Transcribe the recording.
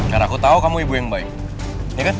karena aku tau kamu ibu yang baik